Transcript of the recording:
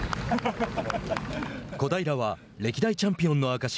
小平は歴代チャンピオンの証し